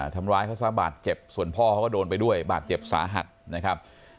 ทำร้ายเขาซะบาดเจ็บส่วนพ่อเขาก็โดนไปด้วยบาดเจ็บสาหัสนะครับ